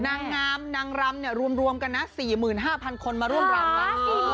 นางน้ำนางรำเนี่ยรวมกันนะ๔๕๐๐๐คนมาร่วมรำ